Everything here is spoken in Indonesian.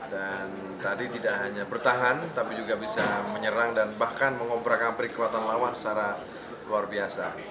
dan tadi tidak hanya bertahan tapi juga bisa menyerang dan bahkan mengobrakkan perikkuatan lawan secara luar biasa